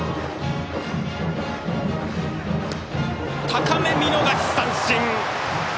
高め、見逃し三振！